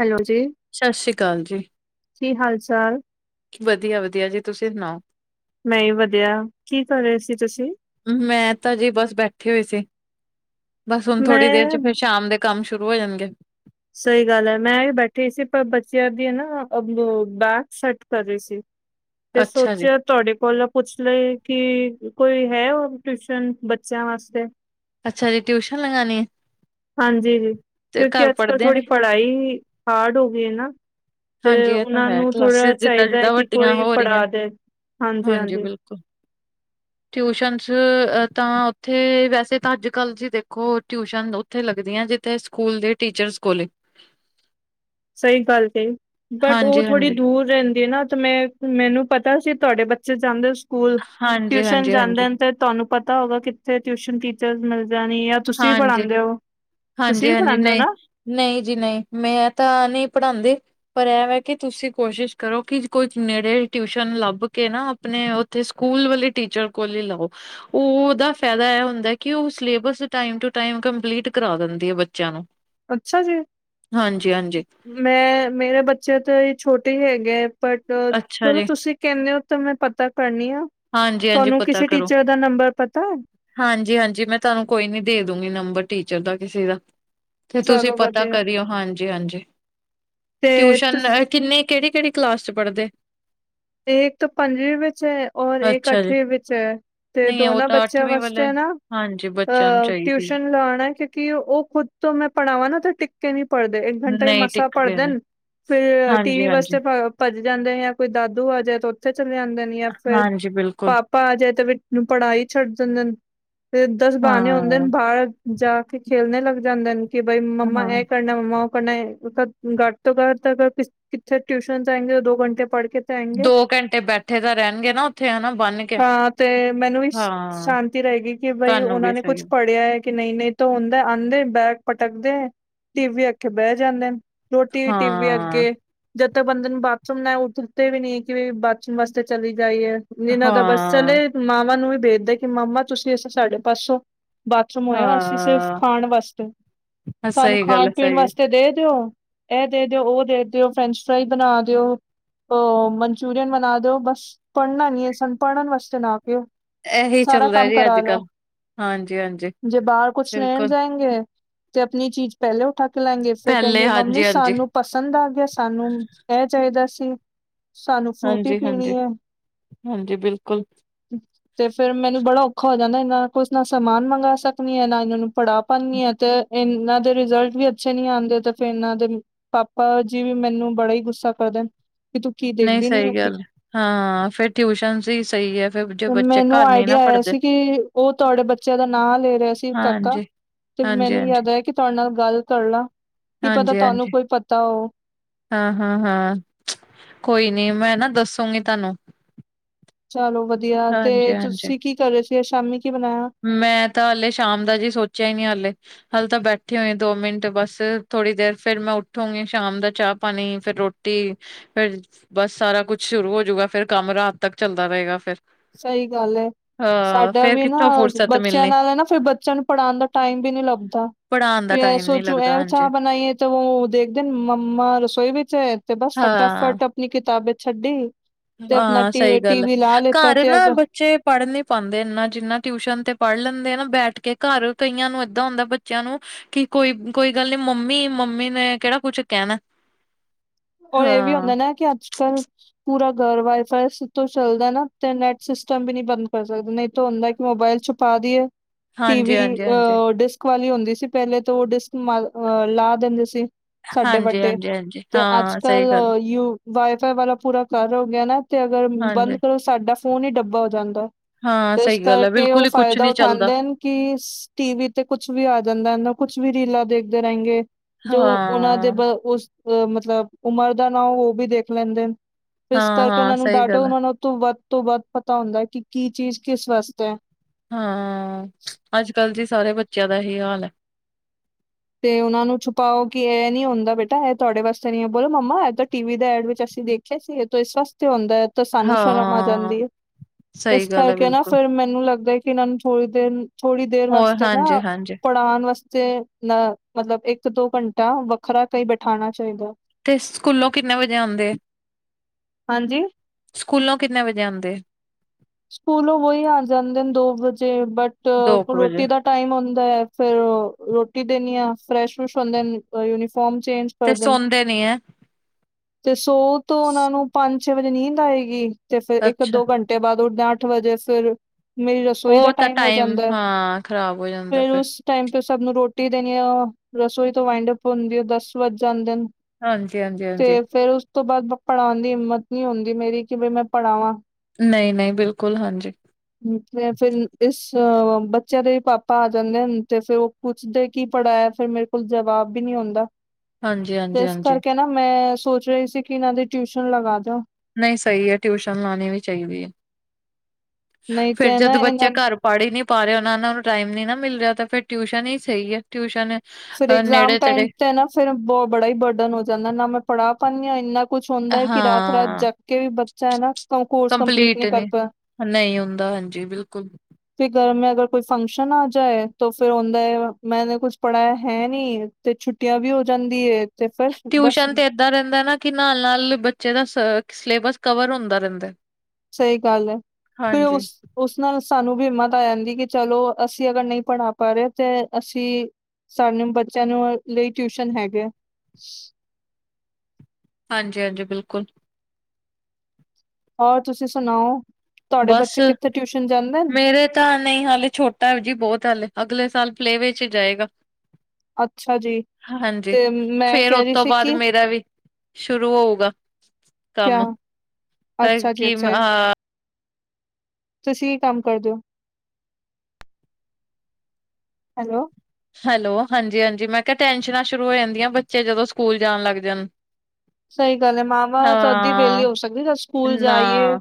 Hello ਜੀ, ਸਤਿ ਸ੍ਰੀ ਅਕਾਲ ਕੀ ਹਾਲ-ਚਾਲ ਵਦੀਆ-ਵਦੀਆ ਜੀ ਤੁਸੀਂ ਸੁਨਾਓ ਮੈਂ ਵੀ ਵਦੀਆ। ਕੀ ਕਰ ਰਏ ਸੀ ਤੁਸੀਂ। ਮੈਂ ਤਾਂ ਜੀ ਬਸ ਬੈਠੀ ਹੋਈ ਸੀ, ਬਸ ਹੁਨ ਥੋੜ੍ਹੀ ਦੇਰ ਚ ਮੈਂ ਫਿਰ ਸ਼ਾਮ ਦੇ ਕੰਮ ਸ਼ੁਰੂ ਹੋ ਜਾਨਗੇ। ਸਈ ਗੱਲ ਐ ਮੈਂ ਵੀ ਬੈਠੀ ਸੀ ਪਰ ਬੱਚਿਆਂ ਦੀਆਂ ਨਾ ਬੈਗ ਸੈਟ ਕਰ ਰਈ ਸੀ। ਤੇ ਅੱਛਾ ਜੀ, ਸੋਚੇਆ ਤੁਆਡੇ ਕੋਲੋ ਪੁੱਛ ਲਏ ਕਿ ਕੋਈ ਹੈ ਓ ਟਿਊਸ਼ਨ ਬੱਚਿਆਂ ਵਾਸਤੇ ਅੱਛਾ ਜੀ ਟਿਊਸ਼ਨ ਲਗਾਨੀ ਐ। ਹਾਂਜੀ ਜੀ ਕਿਓਂਕਿ ਅੱਜ-ਕੱਲ ਪੜ੍ਹਦੇ ਥੋੜ੍ਹੀ ਨੇ? ਪੜ੍ਹਾਈ ਹਾਰਡ ਹੋ ਗਈ ਐ ਨਾ। ਤੇ ਹਾਂਜੀ ਇਹ ਤਾਂ ਓਨਾਂ ਹੈ ਨੂੰ ਥੋੜਾ ਕਲਾਸਿਸ ਚਾਈਦਾ ਐ ਜਿੱਦਾਂ-ਜਿੱਦਾਂ ਕਿ ਵੱਡੀਆਂ ਕੋਈ ਹੋ ਰਹੀਆਂ। ਪੜਾ ਦੇ ਹਾਂਜੀ ਬਿਲਕੁਲ ਟਿਊਸ਼ਨਸ ਤਾਂ ਓਥੇ ਵੈਸੇ ਤਾਂ ਅੱਜ-ਕੱਲ ਜੇ ਦੇਖੋ ਟਿਊਸ਼ਨ ਓਥੇ ਲੱਗਦੀਆਂ ਜਿੱਥੇ ਸਕੂਲ ਦੇ ਟੀਚਰਸ ਕੋੋਲੇ ਸਈ ਗੱਲ ਕਈ, ਤੇ ਬਟ ਓ ਥੋੜੀ ਹਾਂਜੀ-ਹਾਂਜੀ। ਦੂਰ ਰੈਂਦੀ ਨਾ ਤੇ ਮੈਂ ਮੈਨੂੰ ਪਤਾ ਸੀ ਤੁਆਡੇ ਬੱਚੇ ਜਾਂਦੇ ਸਕੂਲ ਟਿਊਸ਼ਨ ਹਾਂਜੀ-ਹਾਂਜੀ, ਹਾਂਜੀ, ਜਾਂਦੇ ਹਾਂਜੀ। ਹਨ ਤੇ ਤੁਹਾਨੂੰ ਪਤਾ ਹੋਗਾ ਕਿੱਥੇ ਟਿਊਸ਼ਨ ਟੀਚਰਜ਼ ਮਿਲ ਜਾਨੀ ਜਾ ਤੁਸੀਂ ਵੀ ਹਾਂਜੀ ਹਾਂਜੀ ਪੜਾਂਦੇ ਓ, ਤੁਸੀਂ ਵੀ ਹਾਂਜੀ-ਹਾਂਜੀ ਪੜਾਂਦੇ ਓ ਨਈ, ਨਾ। ਨਈ ਜੀ ਨਈ ਮੈਂ ਤਾਂ ਨਈ ਪੜਾਂਦੀ। ਪਰ ਐਵੇਂ ਕਿ ਤੁਸੀਂ ਕੋਸ਼ਿਸ਼ ਕਰੋ ਕਿ ਕੋਈ ਨੇੜੇ ਟਿਊਸ਼ਨ ਲੱਭ ਕੇ ਨਾ ਆਪਨੇ ਓਥੇ ਸਕੂਲ ਵਾਲੇ ਟੀਚਰ ਕੋਲ ਈ ਲਾਓ। ਉਹਦਾ ਫਾਇਦਾ ਇਹ ਹੁੰਦਾ ਕਿ ਉਹ syllabus time to time complete ਕਰਾ ਦਿੰਦੀਏ ਬੱਚਿਆਂ ਨੂੰ ਅੱਛਾ ਜੀ ਹਾਂਜੀ-ਹਾਂਜੀ, ਮੈਂ ਮੇਰੇ ਬੱਚੇ ਤਾਂ ਹੀ ਛੋਟੇ ਹੈਗੇ ਬਟ ਅੱਛਾ ਚਲੋ ਜੀ, ਤੁਸੀਂ ਕਹਿੰਦੇ ਹੋ ਤਾਂ ਮੈਂ ਪਤਾ ਕਰਨੀ ਆ ਹਾਂਜੀ-ਹਾਂਜੀ ਤੁਹਾਨੂੰ ਕਿਸੇ ਟੀਚਰ ਦਾ ਨੰਬਰ ਪਤਾ ਹਾਂਜੀ ਹਾਂਜੀ ਮੈਂ ਤੁਹਾਨੂੰ ਕੋਈ ਨੀ ਦੇ ਦੂਗੀ ਨੰਬਰ ਟੀਚਰ ਦਾ ਕਿਸੇ ਦਾ ਤੇ ਤੁਸੀਂ ਚਲੋ ਪਤਾ ਵਧੀਆ ਕਰੀਓ ਹਾਂਜੀ ਹਾਂਜੀ ਤੇ ਤੁਸ ਟਿਊਸ਼ਨ ਕਿੰਨਨੀ ਕਿਹੜੀ ਕਿਹੜੀ ਕਲਾਸ ਚ ਪੜ੍ਹਦੇ ਇਹ ਇੱਕ ਤੋਂ ਪੰਜਵੀਂ ਵਿੱਚ ਹੈ ਔਰ ਇੱਕ ਅੱਛਾ ਜੀ। ਅੱਠਵੀਂ ਵਿੱਚ ਹੈ ਤੇ ਨਹੀਂ ਉਹ ਦੋਨਾਂ ਤਾਂ ਬੱਚਿਆਂ ਅੱਠਵੀਂ ਵਾਲੇ ਵਾਸਤੇ ਨਾ ਹਾਂਜੀ ਬੱਚਿਆਂ ਨੂੰ ਅਹ ਚਾਹੀਦੀ ਹੈ ਟਿਊਸ਼ਨ ਲਾਉਣਾ ਕਿਉਂਕਿ ਉਹ ਖੁਦ ਤੋਂ ਮੈਂ ਪੜ੍ਹਵਾਂ ਨਾ ਤੇ ਟਿਕ ਕੇ ਨਹੀਂ ਪੜਦੇ ਇੱਕ ਘੰਟਾ ਹੀ ਨਹੀਂ ਮਸਾ ਟਿੱਕ ਗਏ ਪੜਦੇ ਨੇ ਫਿਰ ਟੀ ਹਾਂਜੀ ਵੀੀ ਹਾਂਜੀ ਵਾਸਤੇ ਭੱਜ ਜਾਂਦੇ ਜਾਂ ਕੋਈ ਦਾਦੂ ਆ ਜਾਏ ਤਾਂ ਉੱਥੇ ਚਲੇ ਜਾਂਦੇ ਨੇ ਯ ਫੇਿਰ ਹਾਂਜੀ ਬਿਲਕੁਲ ਪਾਪਾ ਆ ਜਾਏ ਤੇੂੰ ਪੜ੍ਹਾਾਈ ਛੱਡ ਦਿੰਦੇ ਨੇ ਦਸ ਹਾਂ ਬਾਣੇ ਆਉਂਦੇ ਨੇ ਬਾਹਰ ਜਾ ਕੇ ਖੇਲਣੇ ਲੱਗ ਜਾਂਦੇ ਨੇ ਕਿ ਬਈ ਮੰਮਾ ਹਾਂ ਇਹ ਕਰਨਾ ਮੰਮਾ ਓਹ ਪੜਨਾ ਏ ਘਟ ਤੋਂ ਘਟ ਅਗਰ ਕਿੱਥੇ ਟਿਊਸ਼ਨ ਜਾਏਂਗੇ ਦੋ ਘੰਟੇ ਪੜ੍ਹ ਕੇ ਦੋ ਘੰਟੇ ਬੈਠੇ ਤਾਂ ਰਹਿਣਗੇ ਨਾ ਉੱਥੇ ਹਨਾ ਬੰਨ ਕੇ ਹਾਂ ਤੇ ਮੈਨੂੰ ਵੀ ਸ਼- ਹਾਂ ਸ਼ਾਂਤੀ ਰਹੇਗੀ ਕਿ ਬਈ ਤੁਹਾਨੂੰ ਵੀ ਉਹਨਾਂ ਨੇ ਸਹੀ ਕੁੱਛ ਪੜ੍ਹਿਆ ਹੈ ਕਿ ਨਹੀਂ ਨਹੀਂ ਤੂੰ ਹੁੰਦਾ ਆਉਂਦੇ ਬੈਗ ਪਟਕਦੇ ਟੀ ਵੀ ਆਖੇ ਬਹਿ ਜਾਂਦੇ ਨੇ ਰੋਟੀ ਟੀ ਵੀ ਹਾਂ ਅੱਗੇ ਜਦ ਤੱਕ ਬੰਦੇ ਨੂੰ ਬਾਥਰੂਮ ਨਾ ਆਏ ਉੱਠ ਤੇ ਵੀ ਨੀ ਕਿ ਬਾਚਣ ਵਾਸਤੇ ਚਲੀ ਜਾਈਏ ਜਨਾਂ ਦਾ ਬੱਸ ਹਾਂ ਚਲੇ ਮਾਾਮਾ ਨੂੰ ਵੀ ਵੇਖਦੇ ਕਿ ਮਾਮਾ ਤੁਸੀਂ ਅਂ ਸਾਢੇ ਪਾਸੋਂ ਬਾਥਰੂਮ ਹੋਇਆਓ ਅਸੀਂ ਸਿਰਫ਼ ਹਾਂ ਖਾਣ ਵਾਸਤੇ ਸਾਨੂੰ ਸਹੀ ਗੱਲ ਖਾਣ ਹੈ ਪੀਣ ਸਹੀ ਵਾਸਤੇ ਦੇ ਦਿਓ ਇਹ ਦੇ ਦਿਓ ਉਹ ਦੇ ਦਿਓ ਫਰੈਂਚ ਫਰਾਈ ਬਣਾ ਦਿਓ ਉਹ ਮਨਚੂਰੀਅਨ ਬਣਾ ਦਿਓ ਬਸ ਪੜ੍ਹਨਾ ਨੀ ਹੈ ਸਨੂੰ ਪੜ੍ਹਨ ਵਾਸਤੇ ਨਾ ਕੇਓ ਇਹੀ ਸਾਰਾ ਚੱਲਦਾ ਕੰਮ ਜੀ ਅੱਜ ਕਰਾ ਕੱਲ ਲੋੋ ਹਾਂਜੀ ਹਾਂਜੀ ਜੇ ਬਾਹਰ ਕੁਛ ਲੈਣ ਬਿਲਕੁਲ ਜਾਏਂਗੇ ਤੇ ਆਪਣੀ ਚੀਜ਼ ਪਹਿਲੇ ਉਠਾ ਕੇ ਲੈਗੇ ਫੇਿਰ ਪਹਿਲੇ ਕਹਿੰਗੇ ਮੰਮੀ ਹਾਂਜੀ ਹਾਂਜੀ ਸਾਨੂੰ ਪਸੰਦ ਆ ਗਿਆ ਸਾਨੂੰ ਇਹ ਚਾਹੀਦਾ ਸੀ ਸਾਨੂੰ ਫਰੂਟੀ ਹਾਂਜੀ ਪੀਣੀ ਹਾਂਜੀ ਹੈ ਹਾਂਜੀ ਬਿਲਕੁਲ ਤੇ ਫੇਿਰ ਮੈਨੂੰ ਬੜਾ ਔਖਾ ਹੋ ਜਾਂਦਾ ਇਹਨਾਂ ਕੁਛ ਨਾ ਸਮਾਨ ਮੰਗਾ ਸਕਣੀ ਹੈ ਨਾ ਇਹਨਾਂ ਨੂੰ ਪੜ੍ਹਾ ਪਾਉਂਦੀ ਹਾਂ ਤੇ ਇਹਨਾਂ ਦੇ ਰਿਜ਼ਲਟ ਵੀ ਅੱਛੇ ਨੀ ਆਉਂਦੇ ਤੇ ਫਰ ਇਹਨਾਂ ਦੇ ਪਾਪਾ ਜੀ ਵੀ ਮੈਨੂੰ ਬੜਾ ਹੀ ਗੁੱਸਾ ਕਰਦੇ ਨੇ ਕਿ ਤੂੰ ਕੀ ਨਹੀਂ ਦੇਖਦੀ ਨੀ ਸਹੀ ਹੈਗੀ ਗੱਲ ਹਾਂ ਫੇਿਰ ਟਿਊਸ਼ਨ ਹੀ ਸਹੀ ਹੈ ਫੇਰ ਜ ਬੱਚੇ ਮੈਨੂੰ ਘਰ ਨੀ ਨਾ ਆਈਡੀਆ ਆਇਆ ਪੜ੍ਹਦੇ ਸੀ ਕਿ ਉਹ ਤੁਹਾਡੇ ਬੱਚਿਆਂ ਦਾ ਨਾਂ ਲੈ ਰਿਹਾ ਸੀ ਕਾਕਾ ਹਾਂਜੀ, ਤੇ ਹਾਂਜੀ, ਹਾਂਜੀ, ਮੈਨੂੰ ਯਾਦ ਆਇਆ ਕਿ ਤੁਹਾਡੇ ਨਾਲ ਗੱਲ ਕਰ ਲਾ ਕੀ ਪਤਾ ਹਾਂਜੀ, ਤੁਹਾਨੂੰ ਹਾਂਜੀ, ਕੋਈ ਪਤਾ ਹੋ ਹਾਂ ਹਾਂ ਹਾਂ ਕੋਈ ਨੀ ਮੈਂ ਨਾ ਦੱਸੂੰਗੀ ਤੁਹਾਨੂੰ ਚਲੋ ਵਧੀਆ ਤੇ ਹਾਂਜੀ, ਹਾਂਜੀ। ਤੁਸੀਂ ਕੀ ਕਰ ਰਹੇ ਸੀ ਅੱਜ ਸ਼ਾਮੀ ਕੀ ਬਣਾਇਆ ਮੈਂ ਤਾਂ ਹਾਲੇ ਸ਼ਾਮ ਦਾ ਜੀ ਸੋਚਿਆ ਹੀ ਨਹੀਂੀ ਹਾਲੇ ਹੱਲ ਤਾਂ ਬੈਠੇ ਹੋਏ ਦੋ ਮਿੰਟ ਬਸ ਥੋੜ੍ਹੀ ਦੇਰ ਫੇਿਰ ਮੈਂ ਉੱਠੋਂਗੀ ਸ਼ਾਮ ਦਾ ਚਾਹ ਪਾਣੀ ਫਿਰ ਰੋਟੀ ਫਿਰ ਬਸ ਸਾਰਾ ਕੁੱਛ ਸ਼ੁਰੂ ਹੋਜੂਗਾ ਫੇਰ ਕੰਮ ਰਾਤ ਤੱਕ ਚੱਲਦਾ ਰਹੇਗਾ ਫੇਰ ਸਹੀ ਗੱਲ ਏ ਹਾਂ ਸਾਡਾ ਫੇਰ ਵੀ ਨਾ ਕਿੱਥੋਂ ਫੁਰਸਤ ਬੱਚਿਆਂ ਮਿਲਣੀ ਨਾਲ ਨਾ ਫਿਰ ਬੱਚਿਆਂ ਨੂੰ ਪੜ੍ਹਾਉਣ ਦਾ ਟਾਈਮ ਵੀ ਨੀ ਲੱਭਦਾ ਪੜ੍ਹਾਣ ਫ ਦਾ ਟਾਈਮ ਨੀ ਸੋਚੂ ਐ ਲੱਗਦਾ ਚਾਹ ਹਾਂਜੀ ਬਣਾਈਏ ਤਾਂ ਉਹ ਦੇਖਦੇ ਮੰਮਾ ਰਸੋਈ ਵਿੱਚੇਚ ਹੈ ਤੇ ਬਸ ਹਾਂ। ਫਟਾਫਟ ਆਪਣੀ ਕਿਤਾਬੇ ਛੱਡੀ ਤੇ ਆਪਣਾ ਟੀ ਟੀ ਵੀ ਲਾ ਤੇ ਨਾ ਬੱ ਬੱਚੇ ਪੜ੍ਹ ਨੀ ਪਾਦੇ ਇਨਾ ਜਿੰਨਾ ਟਿਊਸ਼ਨ ਤੇ ਪੜ੍ਹ ਲੈਂਦੇ ਆ ਨਾ ਬੈਠ ਕੇ ਘਰ ਕਈਆਂ ਨੂੰ ਏਦਾਂ ਹੁੰਦਾ ਬੱਚਿਆਂ ਨੂੰ ਕਿ ਕੋਈ ਕੋਈ ਗੱਲ ਨੀ ਮੰਮੀ-ਮੰਮੀ ਨੇ ਕਿਹੜਾ ਕੁਛ ਕਹਿਣਾ। ਹੋਰ ਇਹ ਵੀ ਹਾਂ ਹੁੰਦਾ ਨਾ ਕਿ ਅੱਜ-ਕਲ ਪੂਰਾ ਘਰ ਵਾਈਫਾਈ ਤੋਂ ਚੱਲਦਾ ਨਾ ਤੇ ਨੈਟ ਸਿਸਟਮ ਵੀ ਨੀ ਬੰਦ ਕਰ ਸਕਦਾ ਨਹੀਂ ਤਾਂ ਹੁੰਦਾ ਕਿ ਮੋਬਾਇਲ ਚ ਪਾ ਦਿਏ ਟੀ ਹਾਂਜੀ ਵੀ ਹਾਂਜੀ ਹਾਂਜੀ ਅ ਡ ਵਾਲੀ ਹੁੰਦੀ ਸੀ ਪਹਿਲੇ ਤੋਂ ਉਹ ਡਿਸਕ ਮ ਅਹ ਲਾ ਦਿੰਦੇ ਸੀ। ਹਾਂਜੀ-ਹਾਂਜੀ-ਹਾਂਜੀ, ਤੇ ਅੱਜ-ਕੱਲ ਯੂ ਵਾਈਫਾਈ ਵਾਲਾ ਪੂਰਾ ਘਰ ਹੋ ਗਿਆ ਨਾ ਤੇ ਅਗਰ ਬੰਦ ਹਾਂਜੀ ਕਰੋ ਸਾਡਾ ਫੋਨ ਈ ਡੱਬਾ ਹੋ ਜਾਂਦਾ ਹਾਂ ਐ। ਏਸ ਸਹੀ ਗੱਲ ਹੈ ਕਰਕੇ ਬਿਲਕੁਲ ਉਹ ਹੀ ਕੁਛ ਫਾਇਦਾ ਨੀ ਚੱਲਦਾ ਉਠਾਂਦੇ ਨੇ। ਕਿ ਸ ਟੀਵੀ ਤੇ ਕੁਛ ਵੀ ਆ ਜਾਂਦਾ ਨਾ ਕੁਛ ਵੀ ਰੀਲਾਂ ਦੇਖਦੇ ਰਏਂਗੇ। ਜੋ ਓਨਾ ਦੇ ਹਾਂ ਬ ਉਸ ਅ ਮਤਲਬ ਉਮਰ ਦਾ ਨਾਂ ਉਹ ਵੀ ਦੇਖ ਲੈਂਦੇ। ਇਸ ਹਾਂ ਕਰਕੇ ਹਾਂ ਉਨ੍ਹਾਂ ਨੂੰ ਸਹੀ ਡਾਟੋ ਗੱਲ ਹੈ ਉਨਾ ਨੂੰ ਤੋਂ ਵੱਧ ਤੋਂ ਵੱਧ ਪਤਾ ਹੁੰਦਾ ਕਿ ਕੀ ਚੀਜ਼ ਕਿਸ ਵਾਸਤੇ ਐ। ਹੂੰ ਅੱਜ-ਕੱਲ੍ਹ ਜੀ ਸਾਰੇ ਬੱਚਿਆਂ ਦਾ ਐਹੀ ਹਾਲ ਐ। ਤੇ ਉਨ੍ਹਾਂ ਨੂੰ ਛੁਪਾਓ ਕਿ ਏ ਨੀ ਹੁੰਦਾ ਬੇਟਾ ਐ ਤੁਆਡੇ ਵਾਸੇ ਨੀ ਐ ਬੋਲੋ ਮੰਮਾ ਐ ਤੇ ਟੀ ਵੀ ਦੇ ਐਡ ਵਿਚ ਅਸੀ ਦੇਖ ਖਿਆ ਸੀ ਏ ਤੇ ਏਸ ਵਸਤੇ ਹੁੰਦਾ ਤੇ ਸਾਨੂੰ ਸ਼ਰਮ ਆ ਹਾਂ ਜਾਂਦੀ ਏ। ਏਸ ਸਹੀ ਗੱਲ ਹੈ ਕਰਕੇ ਨਾ ਬਿਲਕੁਲ ਫੇਰ ਮੈਨੂੰ ਲਗਦਾ ਕਿ ਏਨਾ ਨੂੰ ਥੋੜੀ ਦੇਰ ਥੋੜੀ ਦੇਰ ਹੋਰ ਵਾਸਤੇ ਹਾਂਜੀ ਨਾ ਹਾਂਜੀ ਪੜ੍ਹਾਣ ਵਸਤੇ ਨ ਮਤਲਬ ਏਕ ਦੋ ਘੰਟਾ ਵੱਖਰਾ ਕਈ ਬਠਾਣਾ ਚਈਦਾ। ਤੇ ਸਕੂਲੋਂ ਕਿੰਨੇ ਵਜੇ ਆਉਂਦੇ ਏ? ਹਾਂਜੀ। ਸਕੂਲੋਂ ਕਿੰਨੇ ਵੱਜੇ ਆਂਦੇ ਏ? ਸਕੂਲੋ ਵੋਯੀ ਆ ਜਾਂਦੇ ਦੋ ਵੱਜੇ ਬਟ ਦੋ ਕੁ ਵਜੇ ਰੋਟੀ ਦਾ ਟਾਈਮ ਹੁੰਦਾ ਅ ਫੇਰ ਰੋਟੀ ਦੇਣੀ ਆ ਫਰੈਸ਼-ਫਰੁਸ਼ ਹੁੰਦੇ ਨੇ ਯੂਨੀਫੋਮ ਚੇਂਜ ਤੇ ਸੋਂਦੇ ਨੇ ਐ। ਤੇ ਸੌ ਤੋ ਉਨ੍ਹਾਂ ਨੂੰ ਪੰਜ ਛੇ ਵੱਜੇ ਨੀਂਦ ਆਏਗੀ ਤੇ ਫੇਰ ਏਕ ਅੱਛਾ ਦੋ ਘੰਟੇ ਬਾਦ ਉਠ ਦਿਆਂ ਅੱਠ ਵਜੇ ਫੇਰ ਮੇਰੀ ਰਸੋਈ ਉਹ ਦਾ ਤਾਂ ਟਾਈਮ ਹੋ ਜਾਂਦਾ ਹਾਂ ਖ਼ਰਾਬ ਹੋ ਜਾਂਦਾ ਫੇਰ ਫਿਰ ਉਸ ਟਾਈਮ ਤੇ ਸਭ ਨੂੰ ਰੋਟੀ ਦੇਣੀ ਆ ਰਸੋਈ ਤੋ ਐਂਡਅਪ ਹੁੰਦਿਆਂ ਦਸ ਵੱਜ ਜਾਂਦੇ ਨੇ। ਹਾਂਜੀ ਹਾਂਜੀ ਤੇ ਹਾਂਜੀ ਫੇਰ ਉਸ ਤੋ ਬਾਅਦ ਬ ਪੜ੍ਹਾਣ ਦੀ ਹਿੰਮਤ ਨੀ ਹੁੰਦੀ ਮੇਰੀ ਕਿ ਬਈ ਮੈਂ ਪੜ੍ਹਾਵਾਂ। ਨਈ-ਨਈ ਬਿਲਕੁਲ ਹਾਂਜੀ। ਹੂੰ ਤੇ ਫਿਰ ਇਸ ਬੱਚਿਆਂ ਦੇ ਵੀ ਪਾਪਾ ਆ ਜਾਂਦੇ ਹਨ ਤੇ ਫੇਰ ਉਹ ਪੁੱਛਦੇ ਕੀ ਪੜ੍ਹਾਇਆ ਫੇਰ ਮੇਰੇ ਕੋਲ ਜਵਾਬ ਬੀ ਨੀ ਹੁੰਦਾ। ਹਾਂਜੀ ਤੇ ਹਾਂਜੀ ਇਸ ਹਾਂਜੀ ਕਰਕੇ ਨਾ ਮੈਂ ਸੋਚ ਰਈ ਸੀ ਕਿ ਇਨ੍ਹਾਂ ਦੀ ਟਿਊਸ਼ਨ ਲਗਾਦਾ। ਨਈ ਸਈ ਐ ਟਿਊਸ਼ਨ ਲਾਣੀ ਵੀ ਚਾਈਦੀ ਐ, ਨਹੀਂ ਫੇਰ ਤੇ ਨਾ ਜਦ ਬੱਚਾ ਇਹਨਾਂ ਘਰ ਪੜ੍ਹ ਈ ਨੀ ਪਾ ਰਿਆ, ਉਨਾ ਨੂੰ ਟਾਈਮ ਨੀ ਨਾ ਮਿਲ ਰਿਆ ਤੇ ਫੇਰ ਟਿਊਸ਼ਨ ਈ ਸਈ ਐ ਟਿਊਸ਼ਨ ਫੇਰ ਅ ਇਗਜ਼ਾਮ ਨੇੜੇ ਟਾਈਮ ਤੇੜੇ ਤੇ ਨਾ ਫੇਰ ਬ ਬੜਾ ਈ ਬਡਨ ਹੋ ਜਾਂਦਾ ਨਾ ਮੈਂ ਪੜ੍ਹਾ ਪਾਨੀ ਆ ਏਨਾ। ਕੁਛ ਹੁੰਦਾ ਕਿ ਰਾਤ-ਰਾਤ ਹਾਂ ਜਾਗ ਕੇ ਵੀ ਬੱਚਾ ਨਾ ਕੋ ਕੋਰਸ ਕੰਪਲੀਟ ਨੀ ਕਰਦਾ। ਨਈ ਹੁੰਦਾ ਹਾਂਜੀ ਬਿਲਕੁਲ। ਫਿਰ ਘਰ ਮੈਂ ਅਗਰ ਕੋਈ ਫੰਕਸ਼ਨ ਆ ਜਾਏ ਤੋ ਫੇਰ ਹੁੰਦਾ ਏ ਮੇਨੇ ਕੁਛ ਪੜਾ ਹੈ ਨੀ ਤੇ ਛੁੱਟੀਆਂ ਵੀ ਹੋ ਜਾਂਦੀ ਏ। ਤੇ ਫਿਰ ਬਸ ਟਿਊਸ਼ਨ ਤੇ ਏਦਾਂ ਰਹਿੰਦਾ ਨਾ ਕਿ ਨਾਲ-ਨਾਲ ਬੱਚੇ ਦਾ ਸ ਸਲੇਬਸ ਕਵਰ ਹੁੰਦਾ ਰਹਿੰਦਾ। ਸਈ ਗੱਲ ਐ, ਫਿਰ ਹਾਂਜੀ ਉਸ ਉਸ ਨਾਲ ਸਾਨੂੰ ਵੀ ਹਿੰਮਤ ਆ ਯੰਦੀ ਕਿ ਚਲੋ ਅਸੀ ਅਗਰ ਨਈ ਪੜ੍ਹਾ ਪਾ ਰੇ ਤੇ ਅਸੀ ਸਾਨੇ ਬੱਚਿਆਂ ਨੂੰ ਲਈ ਟਿਊਸ਼ਨ ਹੈਗਾ। ਹਾਂਜੀ-ਹਾਂਜੀ ਬਿਲਕੁਲ। ਹੋਰ ਤੁਸੀ ਸਣਾਓ? ਤੁਆਡੇ ਬੱਚੇ ਕਿੱਥੇ ਟਿਊਸ਼ਨ ਜਾਂਦੇ ਨ? ਤਾ ਨਈ ਹਲੇ ਛੋਟਾ ਓ ਜੀ ਬੋਤ ਹਲੇ ਅਗਲੇ ਸਾਲ ਪਲੇਵੇ ਚ ਜਾਏਗਾ। ਅੱਛਾ ਜੀ ਹਾਂਜੀ, ਤੇ ਮੈਂ ਫੇਰ ਓ ਕਹਿ ਰਹੀ ਤੋ ਸੀ ਬਾਦ ਕਿ ਮੇਰਾ ਵੀ ਸ਼ੁਰੂ ਹੋਊਗਾ ਕਿਆ ਕੰਮ। ਹ ਅੱਛਾ ਜੀ ਕਿ ਮ ਅੱਛਾ ਜੀ, ਤੁਸੀਂ ਕੀ ਕੰਮ ਕਰਦੇ ਓ? ਹੈਲੋ। ਹੈਲੋ ਹਾਂਜੀ-ਹਾਂਜੀ ਮੈਂ ਕਿਆ ਟੈਨਸ਼ਨਾਂ ਸ਼ੁਰੂ ਹੋ ਜਾਦਿਆ ਬੱਚੇ ਜਦੋਂ ਸਕੂਲ ਜਾਣ ਲੱਗ ਜਾਣ। ਸਈ ਗੱਲ ਐ। ਮਾਂਵਾਂ ਤਦ ਈ ਵੇਲੀ ਹਾਂ ਹੋ ਸਕਦੀ ਜਦ ਸਕੂਲ ਨਾ ਜਾਈਏ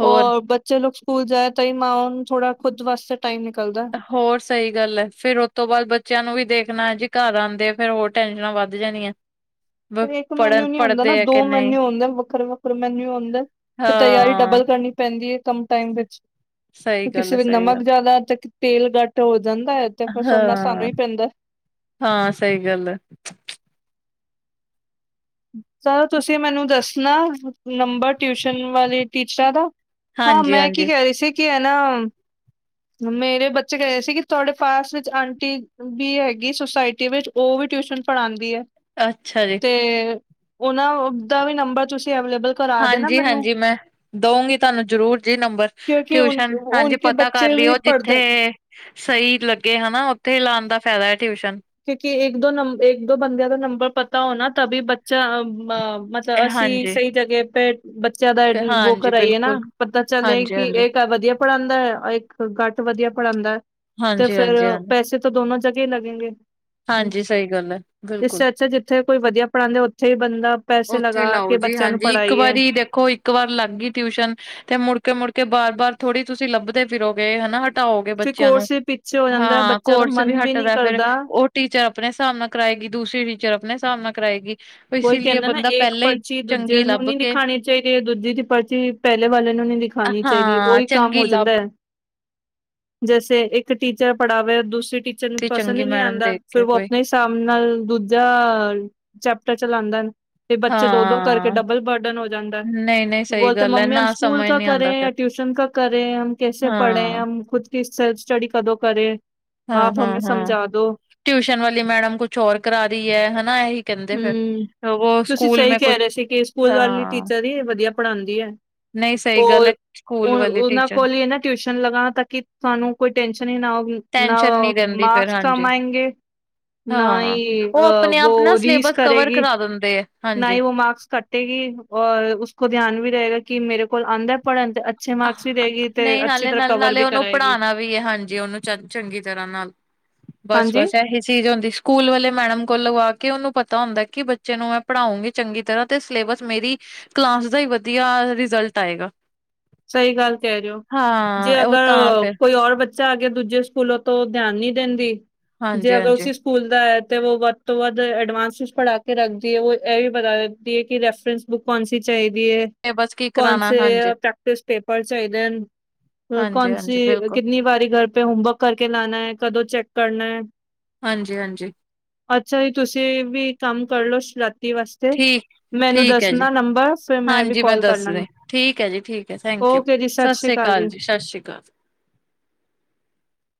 ਹੋਰ ਔਰ ਬੱਚ ਚਲੋ ਸਕੂਲ ਜਾਏ ਤਾਂ ਈ ਮਾਵਾਂ ਨੂੰ ਥੋੜਾ ਖੁਦ ਵਾਸੇ ਟਾਈਮ ਨਿਕਲਦੈ। ਹੋਰ ਸ ਸਈ ਗੱਲ ਐ। ਫੇਰ ਓ ਤੁਸੀਂ ਤੋਂ ਬਾਦ ਬੱਚਿਆਂ ਨੂੰ ਵੀ ਦੇਖਣਾ ਜੀ ਘਰ ਆਂਦੇ ਫੇਰ ਹੋਰ ਟੈਨਸ਼ਨਾਂ ਵੱਧ ਜਾਣੀਐ। ਫੇਰ ਏਕ ਮੇਨਯੂ ਨੀ ਹੁੰਦਾ ਨਾ ਕਿ ਦੋ ਨਹੀਂ ਮੇਨਯੂ ਹੁੰਦੇ ਵੱਖਰੇ-ਵੱਖਰੇ ਮੇਨਯੂ ਹੁੰਦੇ। ਫਿਰ ਤਿਆਰੀ ਹਾਂ ਡਬਲ ਕਰਨੀ ਪੈਂਦੀ ਏ ਕਮ ਟਾਈਮ ਵਿੱਚ। ਸਹੀ ਗੱਲ ਕਿਸੇ ਹੈ ਵੀ ਸਹੀ ਨਮਕ ਗੱਲ ਜਿਆਦਾ ਤੇਲ ਘੱਟ ਹੋ ਜਾਂਦਾ ਐ। ਹਾਂ-ਹਾਂ ਸਹੀ ਗੱਲ ਐ। ਸਰ ਤੁਸੀਂ ਮੈਨੂੰ ਦੱਸਣਾ ਨੰਬਰ ਟਿਊਸ਼ਨ ਵਾਲੇ ਟੀਚਰਾਂ ਦਾ। ਹਾਂ ਹਾਂਜੀ ਮੈਂ ਕੀ ਹਾਂਜੀ ਕਹਿ ਰਹੀ ਸੀ ਕਿ ਐ ਨਾ ਮੇਰੇ ਬੱਚੇ ਕਹਿ ਰਹੇ ਸੀ ਕਿ ਤੁਹਾਡੇ ਪਾਸ ਵਿੱਚ ਆਂਟੀ ਵੀ ਹੈਗੀ ਸੁਸਾਇਟੀ ਵਿੱਚ ਉਹ ਵੀ ਟਿਊਸ਼ਨ ਪੜ੍ਹਾਂਦੀ ਐ। ਅੱਛਾ ਜੀ। ਤੇ ਉਨਾ ਦਾ ਵੀ ਨੰਬਰ ਤੁਸੀਂ ਅਵਲੇਬਲ ਹਾਂਜੀ-ਹਾਂਜੀ ਮੈਂ ਦਊਂਗੀ ਤੁਹਾਨੂੰ ਜ਼ਰੂਰ ਜੀ ਨੰਬਰ ਕਿਉਂਕਿ ਉਨ ਟਿਊਸ਼ਨ ਹਾਂਜੀ ਉਨਕੇ ਪਤਾ ਕਰ ਬੱਚੇ ਵੀ ਲਯੋ ਜਿੱਥੇ ਪੜ੍ਹਦੇ ਸਹੀ ਲੱਗੇ ਹਨਾ ਉੱਥੇ ਹੀ ਲਾਣ ਦਾ ਫਾਇਦਾ ਏ ਟਿਊਸ਼ਨ ਕਿਉਂਕਿ ਇੱਕ ਦੋ ਨੰਬ ਇੱਕ ਦੋ ਬੰਦਿਆਂ ਦਾ ਨੰਬਰ ਪਤਾ ਹੋਣਾ ਤਭੀ ਬੱਚਾ ਅ ਤਾਂ ਇਹ ਅਸੀਂ ਹਾਂਜੀ ਸਹੀ ਜਗ੍ਹਾ ਪੇ ਬੱਚਿਆਂ ਦਾ ਐ ਤੇ ਵੋ ਹਾਂਜੀ ਕਰਾਈਏ ਨਾ ਬਿਲਕੁਲ ਪਤਾ ਚੱਲੇ ਹਾਂਜੀ ਕਿ ਹਾਂਜੀ ਏ- ਵਧੀਆ ਪੜ੍ਹਾਂਦਾ ਔਰ ਇੱਕ ਕੱਟ ਵਧੀਆ ਪੜ੍ਹਾਂਦਾ ਤੇ ਹਾਂਜੀ ਫੇਰ ਹਾਂਜੀ ਹਾਂਜੀ ਪੈਸੇ ਦੋਨੋ ਜਗੇ ਲਗੇਂਗੇ। ਹਮ ਹਾਂਜੀ ਸਹੀ ਗੱਲ ਹੈ ਇਸ ਬਿਲਕੁਲ ਸੇ ਅਛਾ ਜਿੱਥੇ ਕੋਈ ਵਧੀਆ ਪੜ੍ਹਾਂਦਾ ਉੱਥੇ ਹੀ ਬੰਦਾ ਪੈਸੇ ਉੱਥੇ ਲਗਾ ਲਾਓ ਕੇ ਜੀ ਬੱਚਿਆਂ ਨੂੰ ਹਾਂਜੀ ਇੱਕ ਪੜ੍ਹਾਈਏ। ਵਾਰੀ ਦੇਖੋ ਇਕ ਵਾਰ ਲੱਗ ਗਈ ਟਿਊਸ਼ਨ ਤੇ ਮੁੜਕੇ-ਮੁੜਕੇ ਬਾਰ-ਬਾਰ ਥੋੜੀ ਤੁਸੀਂ ਲੱਭਦੇ ਫਿਰੋਗੇ ਹੈਨਾ। ਤਾਓਗੇ ਫਿਰ ਬੱਚਿਆਂ ਨੂੰ ਕੋਰਸ ਵੀ ਪਿੱਛੇ ਹੋ ਜਾਂਦਾ ਹੈ, ਹਾਂ ਬੱਚਾ ਦਾ ਕੋਰਸ ਵੀ ਮਨ ਨਹੀਂ ਹਟਦਾ ਫੇਰ ਕਰਦਾ। ਟੀਚਰ ਅਪਣੇ ਹਿਸਾਬ ਨਾਲ ਕਰਾਏਗੀ ਦੂਸਰੀ ਟੀਚਰ ਅਪਣੇ ਹਿਸਾਬ ਨਾਲ ਕਰਾਏਗੀ। ਕੋਈ ਇਸੀ ਲਈ ਕਹਿੰਦਾ ਨਾ ਬੰਦਾ ਏਕ ਪਹਿਲਾਂ ਹੀ ਪਰਚੀ ਦੂਜੇ ਚੰਗੀ ਨੂੰ ਲੱਭ ਨੀ ਕੇ ਦਿਖਾਣੀ ਚਾਹੀਦੀ, ਦੂਜੀ ਦੀ ਪਰਚੀ ਪਹਿਲੇ ਵਾਲੇ ਨੂੰ ਨੀ ਦਿਖਾਣੀ ਚਾਹੀਦੀ ਹਾਂ ਓਹੀ। ਚੰਗੀ ਲੱਭ ਜੈਸੇ ਇੱਕ ਟੀਚਰ ਪੜ੍ਹਾਵੇ ਦੂਸਰੀ ਟੀਚਰ ਬੱਚੇ ਨੂੰ ਸੀ ਪਸੰਦ ਚੰਗੀ ਹੀ ਨੀ ਮੈਡਮ ਆਂਦਾ ਦੇਖ ਫਿਰ ਕੇ ਓ ਕੋਈ ਆਪਣੇ‌ ਹੀ ਸਾਬ ਨਾਲ ਦੂਜਾ ਚੈਪਟਰ ਚਲਾਂਦਾ। ਤੇ ਬੱਚੇ ਦੋ-ਦੋ ਕਰਕੇ ਹਾਂ ਡਬਲ ਬਰਡਨ ਹੋ ਜਾਂਦਾ। ਨਹੀਂ ਨਹੀਂ ਸਹੀ ਬੋਲਤੇ ਗੱਲ ਹੈ ਮੰਮੀ ਹਮ ਨਾ ਸਕੂਲ ਸਮਝ ਕਾ ਨਹੀਂ ਕਰੇ ਆਉਂਦਾ ਫਿਰ ਟਿਊਸ਼ਨ ਕਾ ਕਰੇ, ਹਮ ਕੈਸੇ ਪੜ੍ਹੇ, ਹਾਂ ਹਮ ਖੁਦ ਕੀ ਸੈਲਫ ਸਟਡੀ ਕਦੋਂ ਕਰੇ ਹਾਂ-ਹਾਂ-ਹਾਂ ਟਿਊਸ਼ਨ ਵਾਲੀ ਮੈਡਮ ਕੁਛ ਹੋਰ ਕਰਾ ਰੀ ਐ ਹੈਨਾ ਐਹੀ ਹਮ ਤੁਸੀਂ ਸਹੀ ਕਹਿ ਕੁਛ ਰਹੇ ਸੀ ਕਿ ਸਕੂਲ ਵਾਲੀ ਹਾਂ ਟੀਚਰ ਹੀ ਵਧੀਆ ਪੜ੍ਹਾਂਦੀ ਐ। ਨਹੀਂ ਸਹੀ ਗੱਲ ਹੈ ਔਰ ਸਕੂਲ ਵਾਲੀ ਉਨਾਂ ਟੀਚਰ ਕੋਲ ਈ ਨਾ ਟਿਊਸ਼ਨ ਲਗਾ ਤਾਂਕੀ ਤੁਹਾਨੂੰ ਕੋਈ ਟੈਂਨਸ਼ਨ ਹੀ ਨਾ ਹੋ। ਨਾ ਟੈਨਸ਼ਨ ਨਹੀਂ ਰਹਿੰਦੀ ਫਿਰ ਮਾਰਕਸ ਕਮ ਹਾਂਜੀ ਆਏਂਗੇ ਨਾ ਹਾਂ, ਹੀ ਉਹ ਆਪਣੇ ਵੋ ਆਪ ਨਾ ਸਿਲੇਬਸ ਕਵਰ ਕਰਾ ਦਿੰਦੇ ਆ। ਨਾ ਹੀ ਉਹ ਮਾਰਕਸ ਕੱਟੇਗੀ ਔਰ ਉਸ ਕੋ ਧਿਆਨ ਵੀ ਰਹੇਗਾ ਕਿ ਮੇਰੇ ਕੋਲ ਆਉਂਦਾ ਪੜ੍ਹਨ ਤੇ ਅੱਛੇ ਮਾਰਕਸ ਵੀ ਦੇਗੀ ਤੇ ਨਹੀਂ ਅੱਛੀ ਹਾਲੇ ਤਰ੍ਹਾਂ ਨਾਲ ਕਵਰ ਨਾਲੇ ਵੀ ਉਹਨੂੰ ਕਰਾਏਗੀ। ਪੜ੍ਹਾਣਾ ਵੀ ਹੈ ਹਾਂਜੀ ਉਹਨੂੰ ਚ ਚੰਗੀ ਤਰ੍ਹਾਂ ਨਾਲ ਬਸ ਬਸ ਇਹੀ ਚੀਜ਼ ਹੁੰਦੀ। ਸਕੂਲ ਵਾਲੇ ਮੈਡਮ ਕੋਲ ਲਵਾ ਕੇ ਉਹਨੂੰ ਪਤਾ ਹੁੰਦਾ ਕਿ ਬੱਚੇ ਨੂੰ ਮੈਂ ਪੜ੍ਹਾਉਂਗੀ ਚੰਗੀ ਤਰ੍ਹਾਂ ਤੇ ਸਿਲੇਬਸ ਮੇਰੀ ਕਲਾਸ ਦਾ ਹੀ ਵਧੀਆ ਰਿਜ਼ਲਟ ਆਏਗਾ। ਸਹੀ ਗੱਲ ਕਹਿ ਰਹੇ ਹੋ ਜੇ ਹਾਂ ਉਹ ਤਾਂ ਅਗਰ ਫਿਰ ਕੋਈ ਰ ਬੱਚ ਆ ਕੇ ਦੂਜੇ ਸਕੂਲਾਂ ਤੋਂ ਧਿਆਨ ਨੀ ਦਿੰਦੀ ਜੇ ਅਗਰ ਹਾਂਜੀ-ਹਾਂਜੀ। ਓਸੀ ਸਕੂਲ ਦਾ ਹੈ ਅਤੇ ਉਹ ਵੱਧ ਤੋਂ ਵੱਧ ਐਡਵਾਂਸ ਚ ਪੜ੍ਹਾ ਕੇ ਰੱਖਦੀ ਹੈ ਉਹ ਇਹ ਵੀ ਪਤਾ ਰਦੀ ਹੈ ਕਿ ਰੈਫਰੈਂਸ ਬੁੱਕ ਕੌਣਸੀ ਚਾਹੀਦੀ ਹੈ ਸਿਲੇਬਸ ਕੀ ਕਰਾਣਾ, ਕੌਣਸੇ ਹਾਂਜੀ, ਪ੍ਰੈਕਟਿਸ ਪੇਪਰ ਚਾਹੀਦੇ ਹਨ ਹਾਂਜੀ-ਹਾਂਜੀ ਕੌਣਸੀ ਬਿਲਕੁਲ, ਕਿਤਨੀ ਵਾਰੀ ਘਰ ਪੇ ਹੋਮਵਰਕ ਕਰਕੇ ਲਾਨਾ ਹੈ ਕਦੋਂ ਚੈੱਕ ਕਰਨਾ ਹੈ। ਹਾਂਜੀ ਹਾਂਜੀ। ਅੱਛਾ ਜੀ ਤੁਸੀਂ ਵੀ ਕੰਮ ਕਰਲਓ। ਦੀ ਵਾਸਤੇ ਠੀਕ, ਮੈਨੂੰ ਠੀਕ ਐ ਜੀ। ਦੱਸਦਾ ਨੰਬਰ ਫਿਰ ਮੈਂ ਵੀ ਹਾਂਜੀ ਕੋਾਲ ਕਰ ਲਾਂਗੀ। ਦੱਸਦੀ ਠੀਕ ਹੈ ਜੀ ਠੀਕ ਹੈ ਥੈਂਕ ਯੂ ਸਤਿ ਸ਼੍ਰੀ ਅਕਾਲ ਜੀ ਸਤਿ ਸ਼੍ਰੀ ਅਕਾਲ।